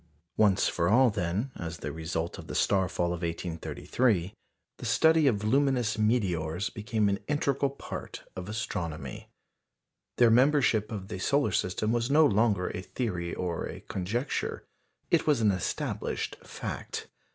Once for all, then, as the result of the star fall of 1833, the study of luminous meteors became an integral part of astronomy. Their membership of the solar system was no longer a theory or a conjecture it was an established fact.